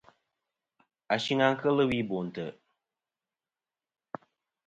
Ashɨng a kel wi Bo ntè.